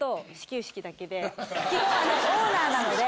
基本オーナーなので。